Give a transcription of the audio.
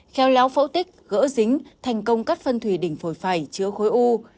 kheo láo phẫu tích gỡ dính thành công cắt phân thủy đỉnh phổi phải chữa khối u